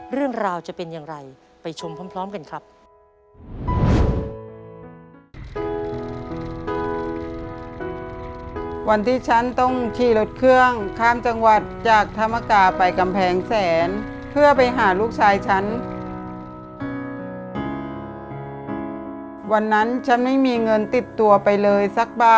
เรื่องราวจะเป็นอย่างไรไปชมพร้อมกันครับ